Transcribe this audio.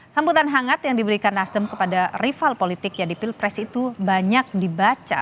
sambutan hangat yang diberikan nasdem kepada rival politiknya di pilpres itu banyak dibaca